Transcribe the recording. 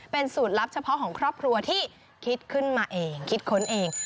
เป็นสูตรลับเฉพาะของครอบครัวที่คิดขึ้นมาเองคิดค้นเอง